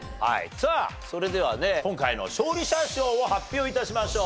さあそれではね今回の勝利者賞を発表致しましょう。